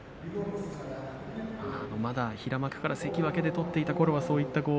まだ平幕から関脇で取っていたころは。